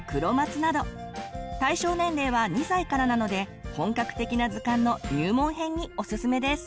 対象年齢は２歳からなので本格的な図鑑の入門編におすすめです。